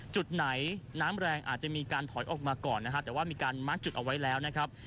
จุดไหนน้ำแรงอาจจะมีการถอยออกมาก่อนนะฮะแต่ว่ามีการมัดจุดเอาไว้แล้วนะครับ